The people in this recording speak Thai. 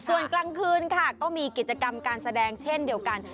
ส่วนกลางคืนค่ะก็มีกิจกรรมการแสดงเช่นเดียวกัน